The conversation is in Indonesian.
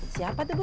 siapa tuh bu